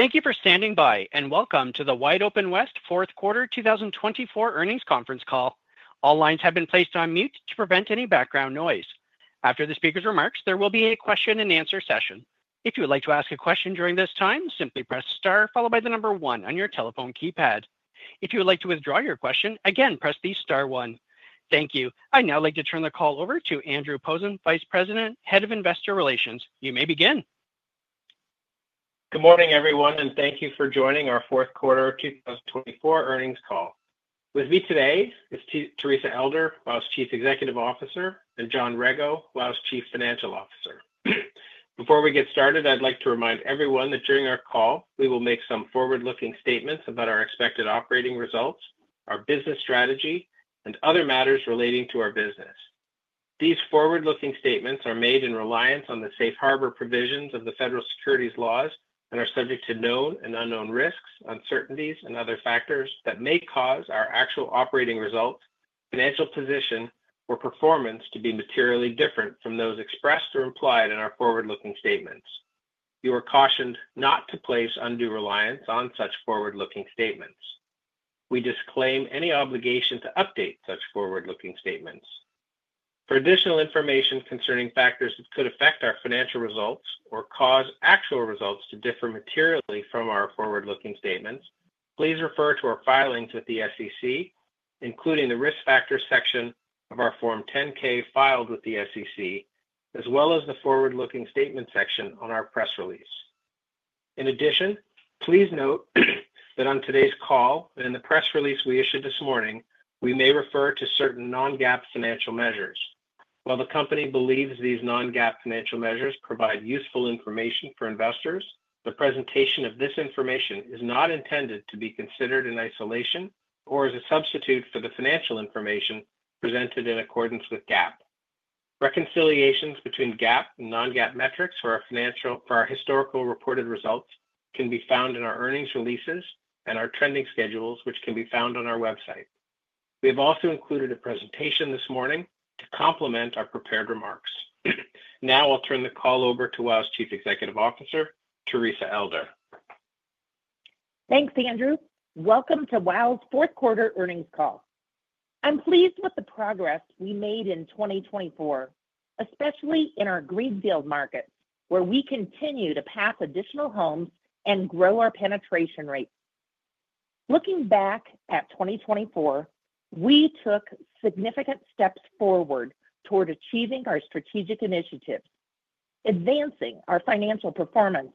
Thank you for standing by, and welcome to the WideOpenWest Fourth Quarter 2024 Earnings Conference Call. All lines have been placed on mute to prevent any background noise. After the speaker's remarks, there will be a question-and-answer session. If you would like to ask a question during this time, simply press star, followed by the number one on your telephone keypad. If you would like to withdraw your question, again, press the star one. Thank you. I'd now like to turn the call over to Andrew Posen, Vice President, Head of Investor Relations. You may begin. Good morning, everyone, and thank you for joining our Fourth Quarter 2024 Earnings Call. With me today is Teresa Elder, Vice Chief Executive Officer, and John Rego, Vice Chief Financial Officer. Before we get started, I'd like to remind everyone that during our call, we will make some forward-looking statements about our expected operating results, our business strategy, and other matters relating to our business. These forward-looking statements are made in reliance on the safe harbor provisions of the federal securities laws and are subject to known and unknown risks, uncertainties, and other factors that may cause our actual operating result, financial position, or performance to be materially different from those expressed or implied in our forward-looking statements. You are cautioned not to place undue reliance on such forward-looking statements. We disclaim any obligation to update such forward-looking statements. For additional information concerning factors that could affect our financial results or cause actual results to differ materially from our forward-looking statements, please refer to our filings with the SEC, including the risk factor section of our Form 10-K filed with the SEC, as well as the forward-looking statement section on our press release. In addition, please note that on today's call and in the press release we issued this morning, we may refer to certain non-GAAP financial measures. While the company believes these non-GAAP financial measures provide useful information for investors, the presentation of this information is not intended to be considered in isolation or as a substitute for the financial information presented in accordance with GAAP. Reconciliations between GAAP and non-GAAP metrics for our historical reported results can be found in our earnings releases and our trending schedules, which can be found on our website. We have also included a presentation this morning to complement our prepared remarks. Now I'll turn the call over to Vice Chief Executive Officer, Teresa Elder. Thanks, Andrew. Welcome to WOW's Fourth Quarter Earnings Call. I'm pleased with the progress we made in 2024, especially in our greenfield markets, where we continue to pass additional homes and grow our penetration rate. Looking back at 2024, we took significant steps forward toward achieving our strategic initiatives, advancing our financial performance,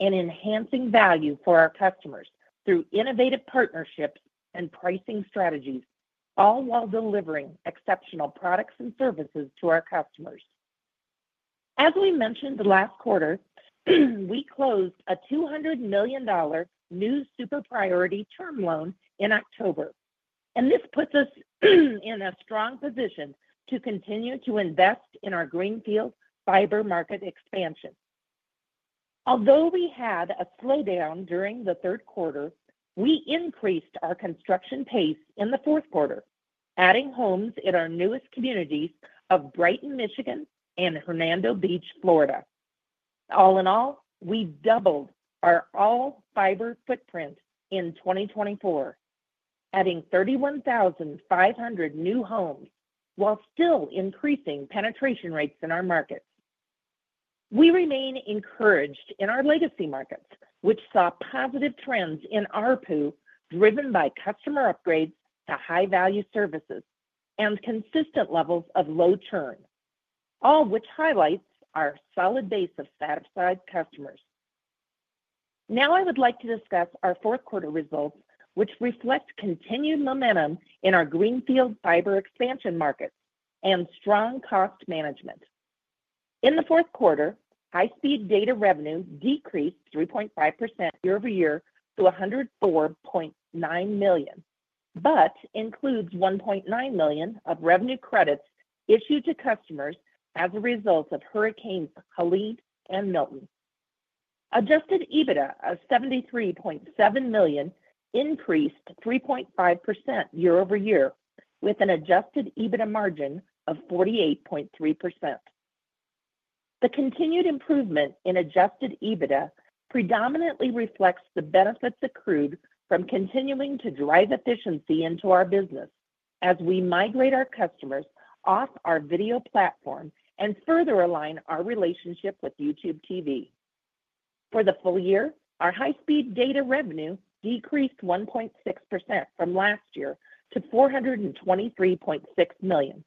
and enhancing value for our customers through innovative partnerships and pricing strategies, all while delivering exceptional products and services to our customers. As we mentioned last quarter, we closed a $200 million new super priority term loan in October, and this puts us in a strong position to continue to invest in our greenfield fiber market expansion. Although we had a slowdown during the third quarter, we increased our construction pace in the fourth quarter, adding homes in our newest communities of Brighton, Michigan, and Hernando Beach, Florida. All in all, we doubled our all-fiber footprint in 2024, adding 31,500 new homes while still increasing penetration rates in our markets. We remain encouraged in our legacy markets, which saw positive trends in our ARPU driven by customer upgrades to high-value services and consistent levels of low churn, all which highlights our solid base of satisfied customers. Now I would like to discuss our fourth quarter results, which reflect continued momentum in our greenfield fiber expansion markets and strong cost management. In the fourth quarter, high-speed data revenue decreased 3.5% year over year to $104.9 million, but includes $1.9 million of revenue credits issued to customers as a result of Hurricanes Helene and Milton. Adjusted EBITDA of $73.7 million increased 3.5% year over year, with an adjusted EBITDA margin of 48.3%. The continued improvement in adjusted EBITDA predominantly reflects the benefits accrued from continuing to drive efficiency into our business as we migrate our customers off our video platform and further align our relationship with YouTube TV. For the full year, our high-speed data revenue decreased 1.6% from last year to $423.6 million,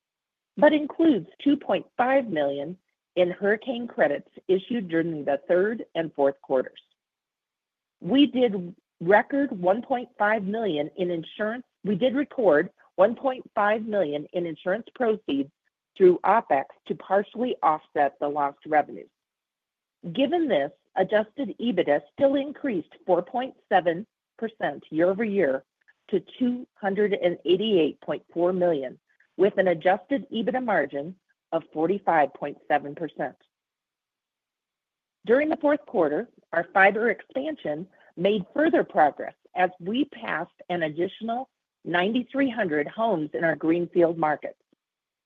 but includes $2.5 million in hurricane credits issued during the third and fourth quarters. We did record $1.5 million in insurance. We did record $1.5 million in insurance proceeds through OPEX to partially offset the lost revenue. Given this, adjusted EBITDA still increased 4.7% year over year to $288.4 million, with an adjusted EBITDA margin of 45.7%. During the fourth quarter, our fiber expansion made further progress as we passed an additional 9,300 homes in our greenfield markets,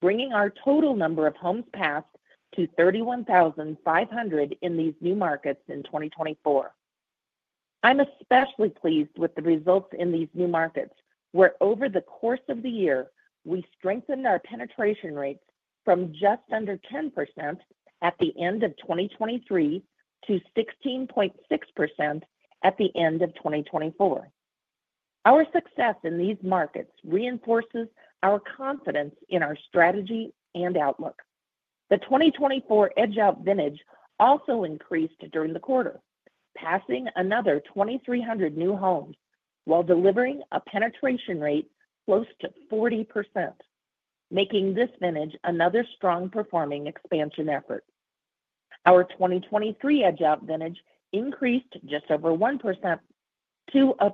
bringing our total number of homes passed to 31,500 in these new markets in 2024. I'm especially pleased with the results in these new markets, where over the course of the year, we strengthened our penetration rates from just under 10% at the end of 2023 to 16.6% at the end of 2024. Our success in these markets reinforces our confidence in our strategy and outlook. The 2024 edge-out vintage also increased during the quarter, passing another 2,300 new homes while delivering a penetration rate close to 40%, making this vintage another strong-performing expansion effort. Our 2023 edge-out vintage increased just over 1% to a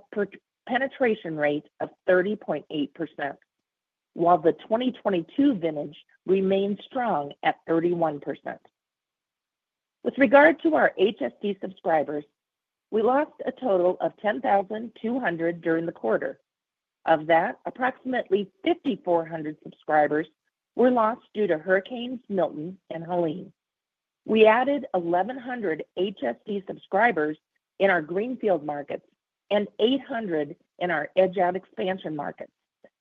penetration rate of 30.8%, while the 2022 vintage remained strong at 31%. With regard to our HSD subscribers, we lost a total of 10,200 during the quarter. Of that, approximately 5,400 subscribers were lost due to Hurricanes Milton and Helene. We added 1,100 HSD subscribers in our greenfield markets and 800 in our edge-out expansion markets,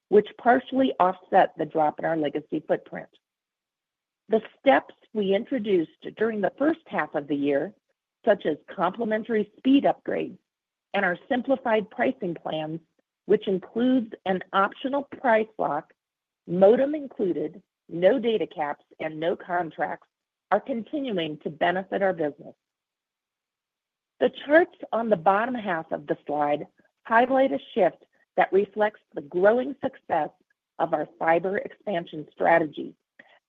which partially offset the drop in our legacy footprint. The steps we introduced during the first half of the year, such as complementary speed upgrades and our simplified pricing plans, which includes an optional price lock, modem included, no data caps, and no contracts, are continuing to benefit our business. The charts on the bottom half of the slide highlight a shift that reflects the growing success of our fiber expansion strategy,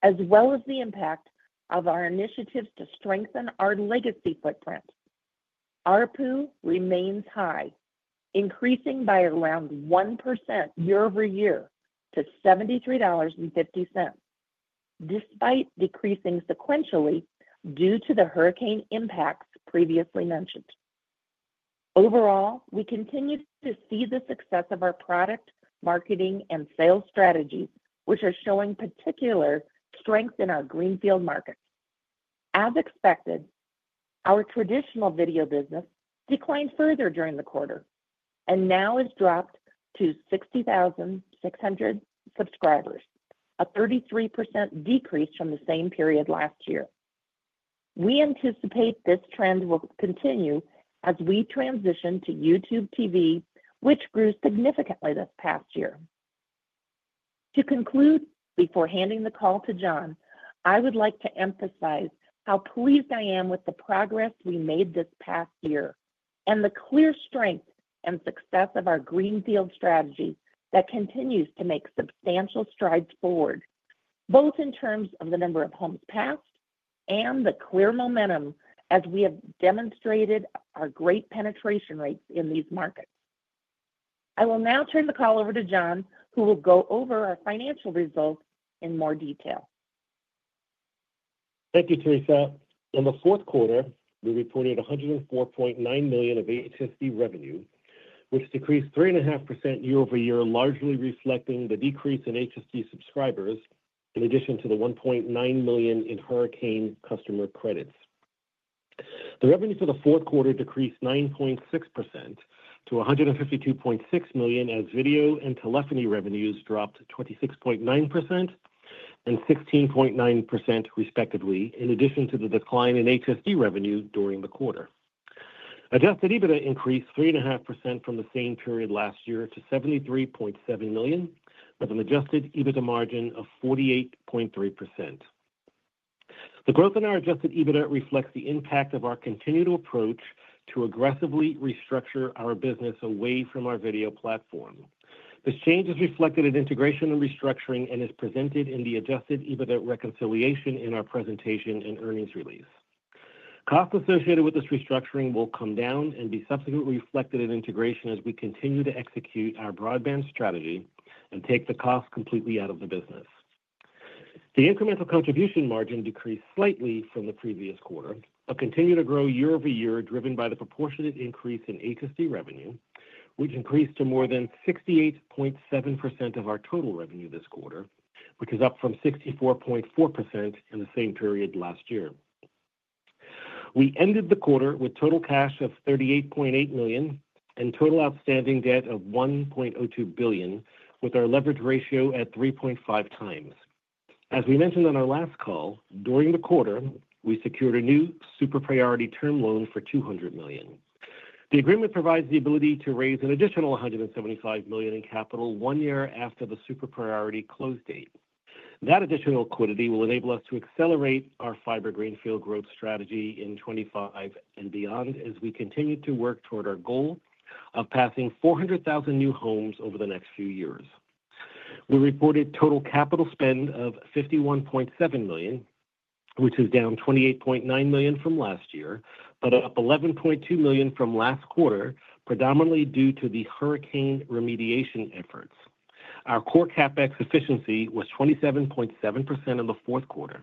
as well as the impact of our initiatives to strengthen our legacy footprint. Our ARPU remains high, increasing by around 1% year over year to $73.50, despite decreasing sequentially due to the hurricane impacts previously mentioned. Overall, we continue to see the success of our product marketing and sales strategies, which are showing particular strength in our greenfield markets. As expected, our traditional video business declined further during the quarter and now has dropped to 60,600 subscribers, a 33% decrease from the same period last year. We anticipate this trend will continue as we transition to YouTube TV, which grew significantly this past year. To conclude, before handing the call to John, I would like to emphasize how pleased I am with the progress we made this past year and the clear strength and success of our greenfield strategy that continues to make substantial strides forward, both in terms of the number of homes passed and the clear momentum as we have demonstrated our great penetration rates in these markets. I will now turn the call over to John, who will go over our financial results in more detail. Thank you, Teresa. In the fourth quarter, we reported $104.9 million of HSD revenue, which decreased 3.5% year over year, largely reflecting the decrease in HSD subscribers in addition to the $1.9 million in hurricane customer credits. The revenue for the fourth quarter decreased 9.6% to $152.6 million as video and telephony revenues dropped 26.9% and 16.9%, respectively, in addition to the decline in HSD revenue during the quarter. Adjusted EBITDA increased 3.5% from the same period last year to $73.7 million, with an adjusted EBITDA margin of 48.3%. The growth in our adjusted EBITDA reflects the impact of our continued approach to aggressively restructure our business away from our video platform. This change is reflected in integration and restructuring and is presented in the adjusted EBITDA reconciliation in our presentation and earnings release. Costs associated with this restructuring will come down and be subsequently reflected in integration as we continue to execute our broadband strategy and take the costs completely out of the business. The incremental contribution margin decreased slightly from the previous quarter, but continued to grow year over year driven by the proportionate increase in HSD revenue, which increased to more than 68.7% of our total revenue this quarter, which is up from 64.4% in the same period last year. We ended the quarter with total cash of $38.8 million and total outstanding debt of $1.02 billion, with our leverage ratio at 3.5 times. As we mentioned on our last call, during the quarter, we secured a new super priority term loan for $200 million. The agreement provides the ability to raise an additional $175 million in capital one year after the super priority close date. That additional liquidity will enable us to accelerate our fiber greenfield growth strategy in 2025 and beyond as we continue to work toward our goal of passing 400,000 new homes over the next few years. We reported total capital spend of $51.7 million, which is down $28.9 million from last year, but up $11.2 million from last quarter, predominantly due to the hurricane remediation efforts. Our core CapEx efficiency was 27.7% in the fourth quarter.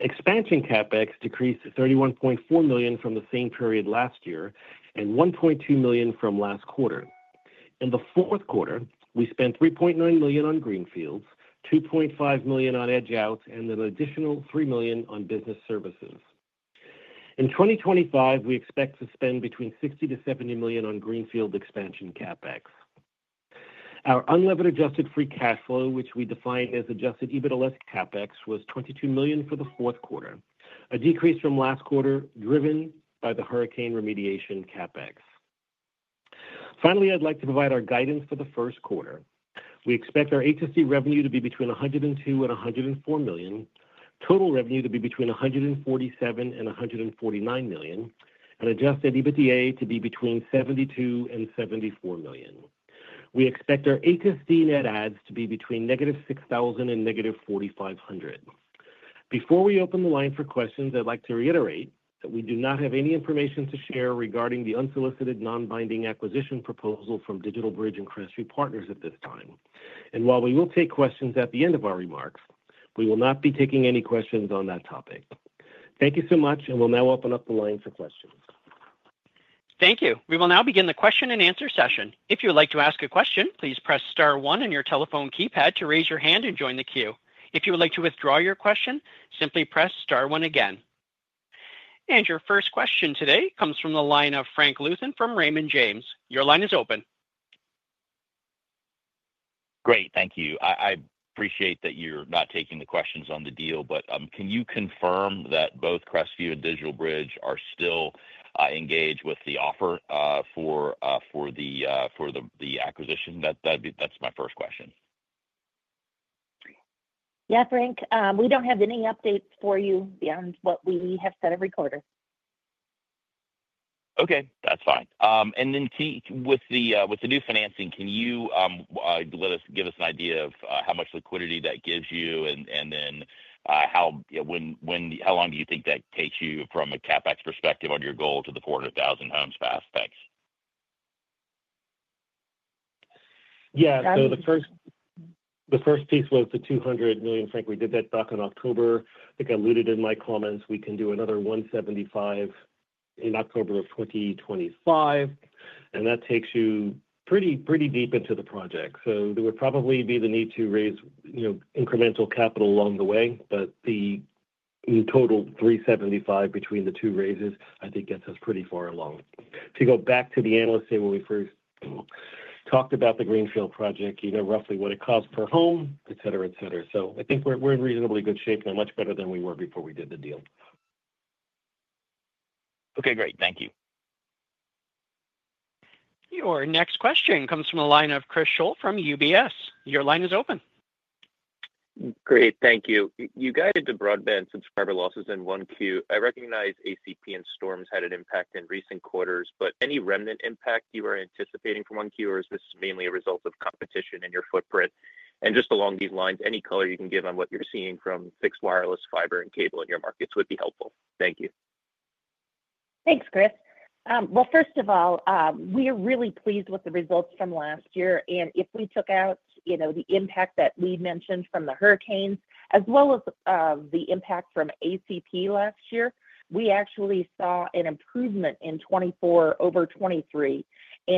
Expansion CapEx decreased to $31.4 million from the same period last year and $1.2 million from last quarter. In the fourth quarter, we spent $3.9 million on greenfields, $2.5 million on edge-outs, and an additional $3 million on business services. In 2025, we expect to spend between $60-$70 million on greenfield expansion CapEx. Our unlevered adjusted free cash flow, which we defined as adjusted EBITDA less CapEx, was $22 million for the fourth quarter, a decrease from last quarter driven by the hurricane remediation CapEx. Finally, I'd like to provide our guidance for the first quarter. We expect our HSD revenue to be between $102 million and $104 million, total revenue to be between $147 million and $149 million, and adjusted EBITDA to be between $72 million and $74 million. We expect our HSD net adds to be between negative 6,000 and negative 4,500. Before we open the line for questions, I'd like to reiterate that we do not have any information to share regarding the unsolicited non-binding acquisition proposal from DigitalBridge and Crestview Partners at this time. While we will take questions at the end of our remarks, we will not be taking any questions on that topic. Thank you so much, and we'll now open up the line for questions. Thank you. We will now begin the question and answer session. If you would like to ask a question, please press star one on your telephone keypad to raise your hand and join the queue. If you would like to withdraw your question, simply press star one again. Your first question today comes from the line of Frank Louthan from Raymond James. Your line is open. Great. Thank you. I appreciate that you're not taking the questions on the deal, but can you confirm that both Crestview and DigitalBridge are still engaged with the offer for the acquisition? That's my first question. Yeah, Frank. We do not have any updates for you beyond what we have said every quarter. Okay. That's fine. With the new financing, can you give us an idea of how much liquidity that gives you and how long do you think that takes you from a CapEx perspective on your goal to the 400,000 homes passed? Thanks. Yeah. The first piece was the $200 million. Frankly, we did that back in October. I think I alluded in my comments we can do another $175 million in October of 2025, and that takes you pretty deep into the project. There would probably be the need to raise incremental capital along the way, but the total $375 million between the two raises, I think, gets us pretty far along. To go back to the analysts when we first talked about the greenfield project, roughly what it costs per home, etc., etc. I think we're in reasonably good shape and much better than we were before we did the deal. Okay. Great. Thank you. Your next question comes from the line of Chris Scholl from UBS. Your line is open. Great. Thank you. You guided the broadband subscriber losses in one Q. I recognize ACP and storms had an impact in recent quarters, but any remnant impact you are anticipating from one Q, or is this mainly a result of competition in your footprint? Just along these lines, any color you can give on what you're seeing from fixed wireless, fiber, and cable in your markets would be helpful. Thank you. Thanks, Chris. First of all, we are really pleased with the results from last year. If we took out the impact that we mentioned from the hurricanes, as well as the impact from ACP last year, we actually saw an improvement in 2024 over 2023. We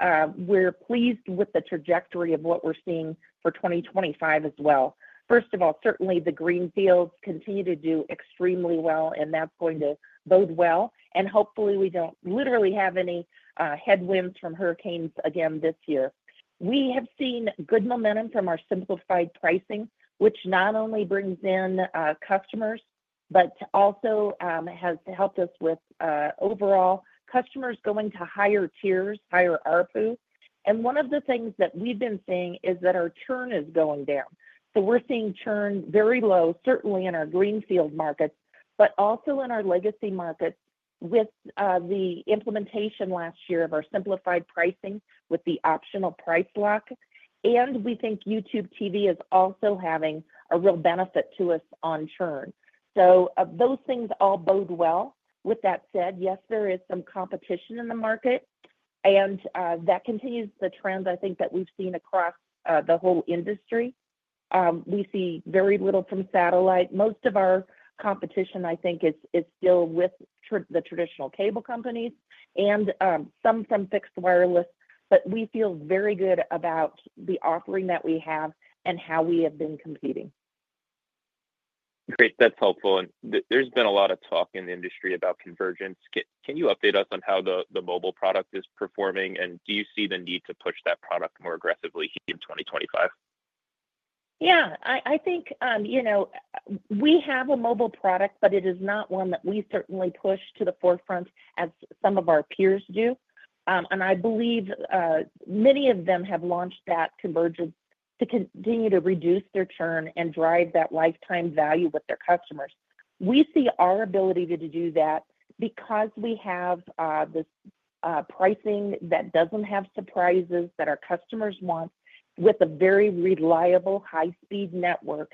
are pleased with the trajectory of what we are seeing for 2025 as well. First of all, certainly the greenfields continue to do extremely well, and that is going to bode well. Hopefully, we do not literally have any headwinds from hurricanes again this year. We have seen good momentum from our simplified pricing, which not only brings in customers, but also has helped us with overall customers going to higher tiers, higher ARPU. One of the things that we have been seeing is that our churn is going down. We're seeing churn very low, certainly in our greenfield markets, but also in our legacy markets with the implementation last year of our simplified pricing with the optional price lock. We think YouTube TV is also having a real benefit to us on churn. Those things all bode well. With that said, yes, there is some competition in the market, and that continues the trend I think that we've seen across the whole industry. We see very little from satellite. Most of our competition, I think, is still with the traditional cable companies and some from fixed wireless, but we feel very good about the offering that we have and how we have been competing. Great. That's helpful. There has been a lot of talk in the industry about convergence. Can you update us on how the mobile product is performing, and do you see the need to push that product more aggressively in 2025? Yeah. I think we have a mobile product, but it is not one that we certainly push to the forefront as some of our peers do. I believe many of them have launched that convergence to continue to reduce their churn and drive that lifetime value with their customers. We see our ability to do that because we have this pricing that does not have surprises that our customers want with a very reliable high-speed network.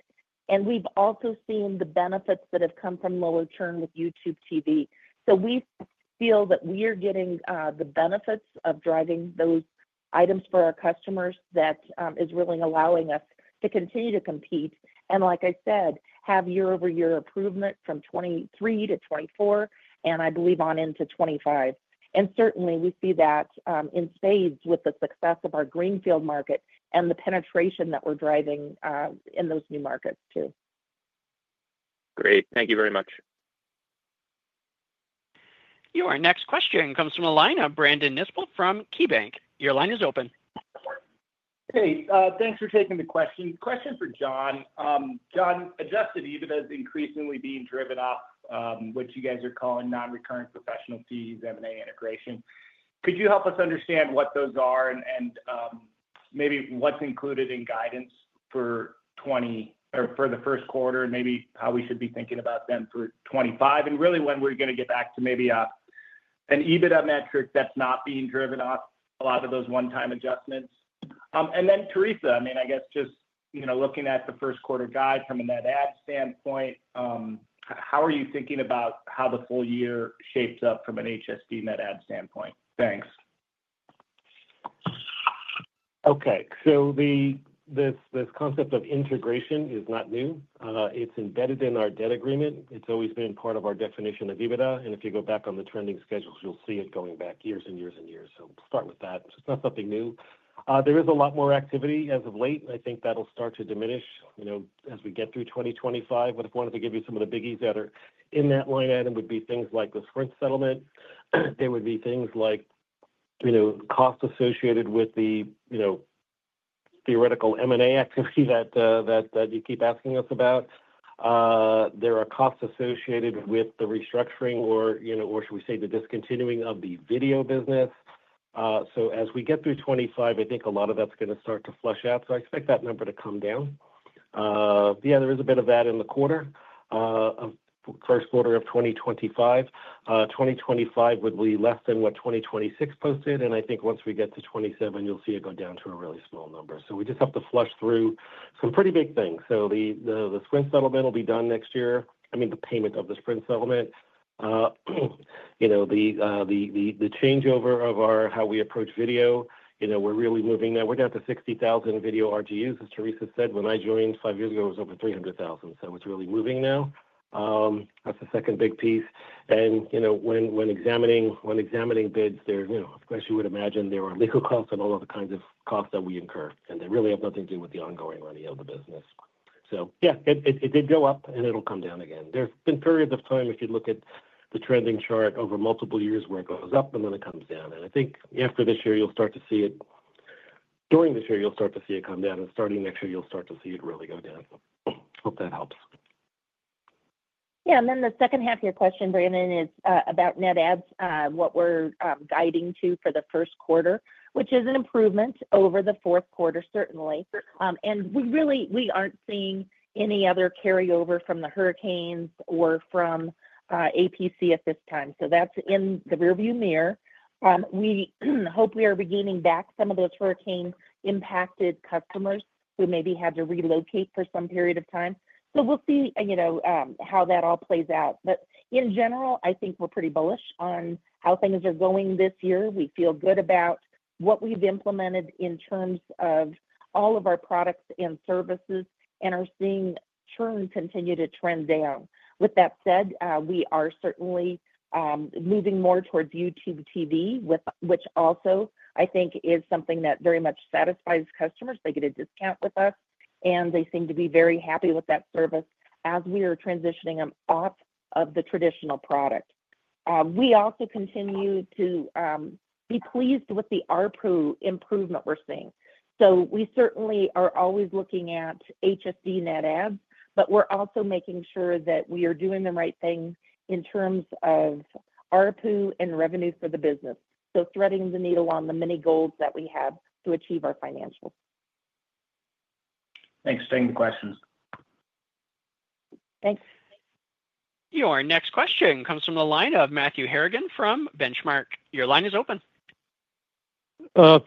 We have also seen the benefits that have come from lower churn with YouTube TV. We feel that we are getting the benefits of driving those items for our customers that is really allowing us to continue to compete and, like I said, have year-over-year improvement from 2023 to 2024, and I believe on into 2025. Certainly, we see that in spades with the success of our greenfield market and the penetration that we're driving in those new markets too. Great. Thank you very much. Your next question comes from the line of Brandon Nispel from KeyBank. Your line is open. Hey. Thanks for taking the question. Question for John. John, adjusted EBITDA is increasingly being driven up, which you guys are calling non-recurring professional fees, M&A integration. Could you help us understand what those are and maybe what's included in guidance for 2020 or for the first quarter, and maybe how we should be thinking about them for 2025, and really when we're going to get back to maybe an EBITDA metric that's not being driven off a lot of those one-time adjustments? Teresa, I mean, I guess just looking at the first quarter guide from a net add standpoint, how are you thinking about how the full year shapes up from an HSD net add standpoint? Thanks. Okay. This concept of integration is not new. It's embedded in our debt agreement. It's always been part of our definition of EBITDA. If you go back on the trending schedules, you'll see it going back years and years and years. Start with that. It's not something new. There is a lot more activity as of late. I think that'll start to diminish as we get through 2025. If I wanted to give you some of the biggies that are in that line item, it would be things like the Sprint settlement. There would be things like costs associated with the theoretical M&A activity that you keep asking us about. There are costs associated with the restructuring or, should we say, the discontinuing of the video business. As we get through 2025, I think a lot of that's going to start to flush out. I expect that number to come down. Yeah, there is a bit of that in the quarter, first quarter of 2025. 2025 would be less than what 2026 posted. I think once we get to 2027, you'll see it go down to a really small number. We just have to flush through some pretty big things. The Sprint settlement will be done next year. I mean, the payment of the Sprint settlement, the changeover of how we approach video, we're really moving now. We're down to 60,000 video RGUs, as Teresa said. When I joined five years ago, it was over 300,000. It's really moving now. That's the second big piece. When examining bids, of course, you would imagine there are legal costs and all other kinds of costs that we incur. They really have nothing to do with the ongoing running of the business. Yeah, it did go up, and it will come down again. There have been periods of time, if you look at the trending chart over multiple years, where it goes up and then it comes down. I think after this year, you will start to see it. During this year, you will start to see it come down. Starting next year, you will start to see it really go down. Hope that helps. Yeah. The second half of your question, Brandon, is about net adds, what we're guiding to for the first quarter, which is an improvement over the fourth quarter, certainly. We aren't seeing any other carryover from the hurricanes or from ACP at this time. That's in the rearview mirror. We hope we are regaining back some of those hurricane-impacted customers who maybe had to relocate for some period of time. We'll see how that all plays out. In general, I think we're pretty bullish on how things are going this year. We feel good about what we've implemented in terms of all of our products and services and are seeing churn continue to trend down. With that said, we are certainly moving more towards YouTube TV, which also, I think, is something that very much satisfies customers. They get a discount with us, and they seem to be very happy with that service as we are transitioning them off of the traditional product. We also continue to be pleased with the ARPU improvement we're seeing. We certainly are always looking at HSD net adds, but we're also making sure that we are doing the right thing in terms of ARPU and revenue for the business. Threading the needle on the many goals that we have to achieve our financials. Thanks. Same questions. Thanks. Your next question comes from the line of Matthew Harrigan from Benchmark. Your line is open.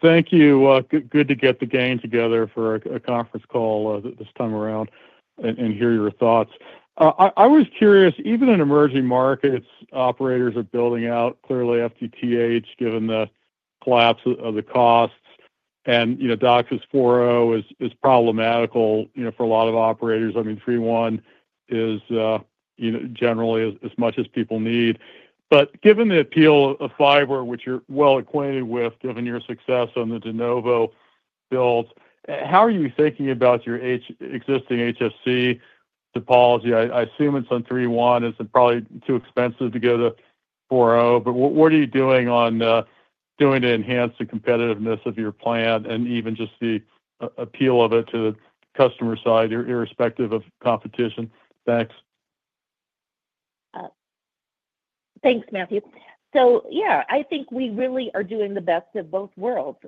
Thank you. Good to get the gang together for a conference call this time around and hear your thoughts. I was curious, even in emerging markets, operators are building out clearly FTTH given the collapse of the costs. And DOCSIS 4.0 is problematical for a lot of operators. I mean, 3.1 is generally as much as people need. But given the appeal of fiber, which you're well acquainted with, given your success on the de novo builds, how are you thinking about your existing HSD topology? I assume it's on 3.1. It's probably too expensive to go to 4.0. But what are you doing to enhance the competitiveness of your plan and even just the appeal of it to the customer side, irrespective of competition? Thanks. Thanks, Matthew. Yeah, I think we really are doing the best of both worlds.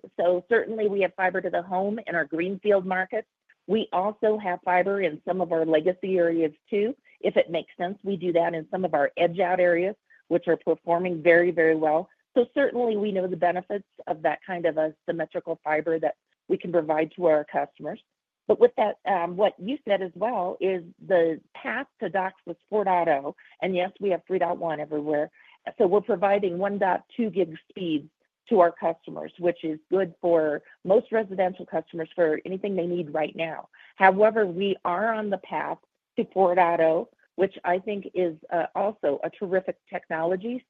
Certainly, we have fiber to the home in our greenfield markets. We also have fiber in some of our legacy areas too, if it makes sense. We do that in some of our edge-out areas, which are performing very, very well. Certainly, we know the benefits of that kind of a symmetrical fiber that we can provide to our customers. With that, what you said as well is the path to DOCSIS 4.0. Yes, we have 3.1 everywhere. We're providing 1.2 gig speeds to our customers, which is good for most residential customers for anything they need right now. However, we are on the path to 4.0, which I think is also a terrific technology.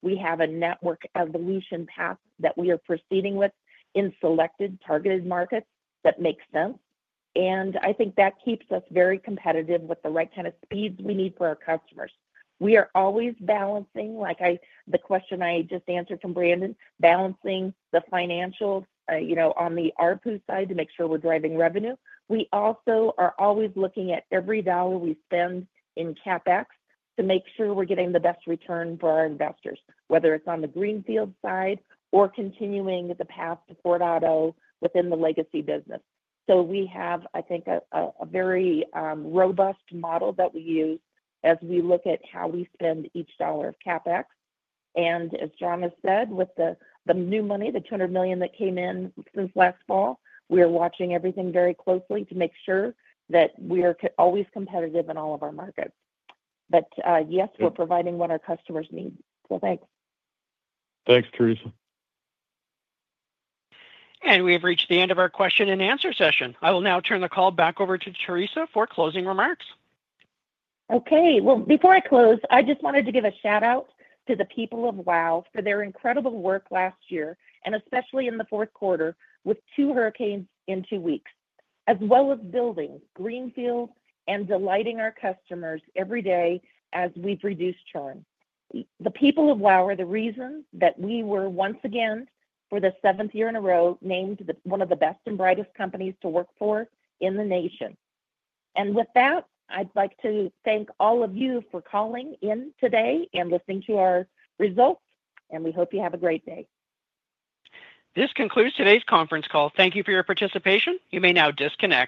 We have a network evolution path that we are proceeding with in selected targeted markets that makes sense. I think that keeps us very competitive with the right kind of speeds we need for our customers. We are always balancing, like the question I just answered from Brandon, balancing the financials on the ARPU side to make sure we're driving revenue. We also are always looking at every dollar we spend in CapEx to make sure we're getting the best return for our investors, whether it's on the greenfield side or continuing the path to 4.0 within the legacy business. We have, I think, a very robust model that we use as we look at how we spend each dollar of CapEx. As John has said, with the new money, the $200 million that came in since last fall, we are watching everything very closely to make sure that we are always competitive in all of our markets. Yes, we are providing what our customers need. Thanks. Thanks, Teresa. We have reached the end of our question and answer session. I will now turn the call back over to Teresa for closing remarks. Okay. Before I close, I just wanted to give a shout-out to the people of WOW for their incredible work last year, and especially in the fourth quarter with two hurricanes in two weeks, as well as building greenfields and delighting our customers every day as we've reduced churn. The people of WOW are the reason that we were once again, for the seventh year in a row, named one of the best and brightest companies to work for in the nation. With that, I'd like to thank all of you for calling in today and listening to our results. We hope you have a great day. This concludes today's conference call. Thank you for your participation. You may now disconnect.